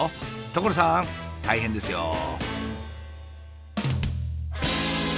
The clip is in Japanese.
大変ですよ。